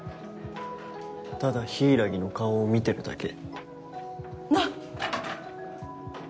ただ柊の顔を見てるだけ。な！